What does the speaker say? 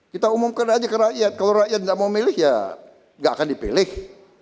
kita umumkan saja ke rakyat kalau rakyat tidak mau memilih ya tidak akan dipilih